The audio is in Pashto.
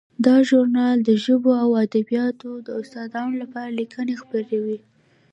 دا ژورنال د ژبو او ادبیاتو د استادانو لپاره لیکنې خپروي.